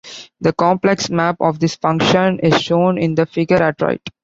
The complex map of this function is shown in the figure at right.